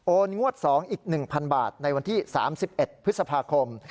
งวด๒อีก๑๐๐๐บาทในวันที่๓๑พฤษภาคม